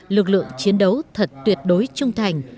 lực lượng chiến đấu thật tuyệt đối trung thành